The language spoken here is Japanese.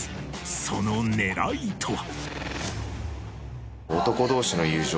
その狙いとは？